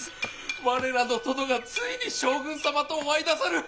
我らの殿がついに将軍様とお会いなさる。